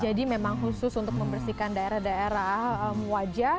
jadi memang khusus untuk membersihkan daerah daerah wajah